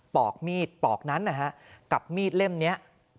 ปอกมีดปอกนั้นนะฮะกับมีดเล่มนี้